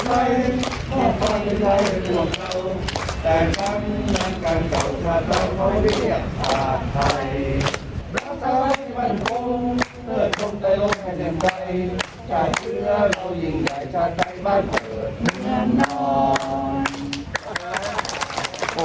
ใจเพื่อเรายิ่งใหญ่จะได้บ้านเผิดนานนอน